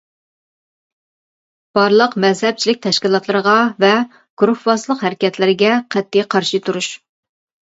بارلىق مەزھەپچىلىك تەشكىلاتلىرىغا ۋە گۇرۇھۋازلىق ھەرىكەتلىرىگە قەتئىي قارشى تۇرۇش.